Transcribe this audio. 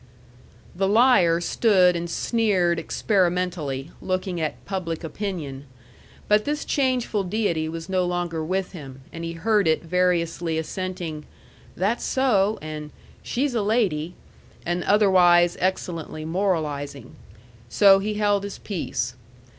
The liar stood and sneered experimentally, looking at Public Opinion. But this changeful deity was no longer with him, and he heard it variously assenting, "That's so," and "She's a lady," and otherwise excellently moralizing. So he held his peace.